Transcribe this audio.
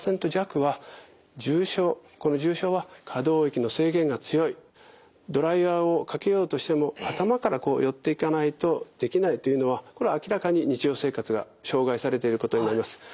この重症は可動域の制限が強いドライヤーをかけようとしても頭からこう寄っていかないとできないというのはこれは明らかに日常生活が障害されていることになります。